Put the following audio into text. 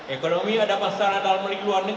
ekonomi ada masalah dalam dan luar